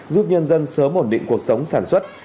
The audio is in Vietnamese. giúp nhân dân sớm ổn định cuộc sống sản xuất